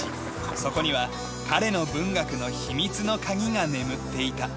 そこには彼の文学の秘密の鍵が眠っていた。